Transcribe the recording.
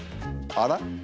あら？